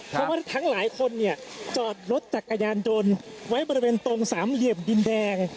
เพราะว่าทั้งหลายคนเนี่ยจอดรถจักรยานยนต์ไว้บริเวณตรงสามเหลี่ยมดินแดง